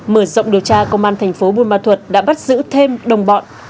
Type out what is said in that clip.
mở rộng điều tra công an thành phố buôn ma thuật đã bắt giữ thêm đồng bọn